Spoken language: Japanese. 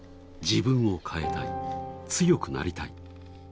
自分を変えたい強くなりたい。